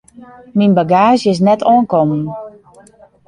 Myn bagaazje is net oankommen.